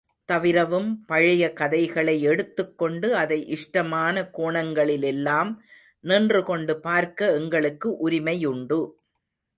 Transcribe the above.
தவிரவும் பழைய கதைகளை எடுத்துக் கொண்டு அதை இஷ்டமான கோணங்களிலெல்லாம் நின்றுகொண்டு பார்க்க எங்களுக்கு உரிமையுண்டு.